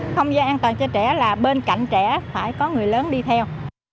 không gian an toàn cho trẻ là bên cạnh trẻ phải có người lớn đi theo